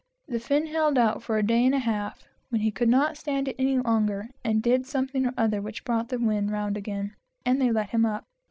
The Fin held out for a day and a half, when he could not stand it any longer, and did something or other which brought the wind round again, and they let him up.